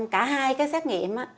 cả hai cái xét nghiệm